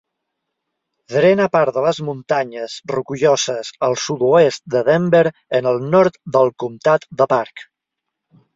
Drena part de les Muntanyes Rocalloses al sud-oest de Denver en el nord del comtat de Park.